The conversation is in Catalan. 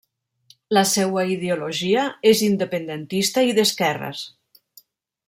La seua ideologia és independentista i d'esquerres.